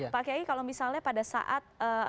pak kiai kalau misalnya pada saat